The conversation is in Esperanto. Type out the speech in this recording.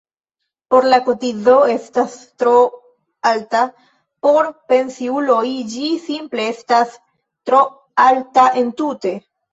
Se la kotizo estas tro alta por pensiuloj, ĝi simple estas tro alta entute.